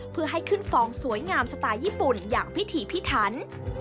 เพื่อให้ขึ้นฟองสวยงามสไตล์ญี่ปุ่นอย่างพิถีพิถัน